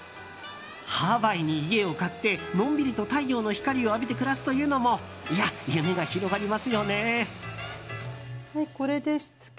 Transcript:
ハワイに家を買ってのんびりと太陽の光を浴びて暮らすというのも夢が広がりますよね。